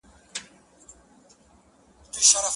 په دولت که وای سردار خو د مهمندو عزیز خان وو-